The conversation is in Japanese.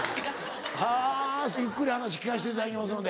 ゆっくり話聞かせていただきますので。